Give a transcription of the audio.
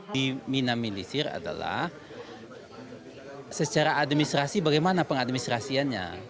di minamilisir adalah secara administrasi bagaimana pengadministrasiannya